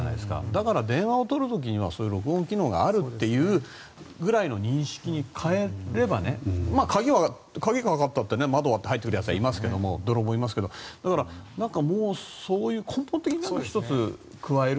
だから電話を取る時には録音機能があるというぐらいの認識に変えれば鍵がかかっていたって窓を割って入ってくる泥棒はいますけどだから、もうそういう根本的なものを１つ加える。